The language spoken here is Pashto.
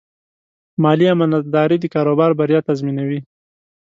مالي امانتداري د کاروبار بریا تضمینوي.